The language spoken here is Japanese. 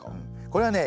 これはね